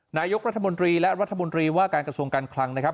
นายกรัฐมนตรีและรัฐมนตรีว่าการกระทรวงการคลังนะครับ